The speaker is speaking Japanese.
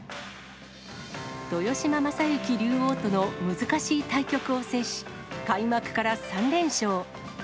豊島将之竜王との難しい対局を制し、開幕から３連勝。